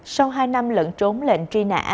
sau hai năm lận trốn lệnh truy nã